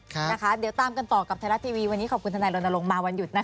นะคะเดี๋ยวตามกันต่อกับไทรัสทีวีวันนี้ขอบคุณท่านไหนลนลงมาวันหยุดนะคะ